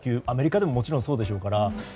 アメリカでももちろんそうでしょうから。